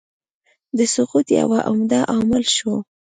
د سقوط یو عمده عامل شو.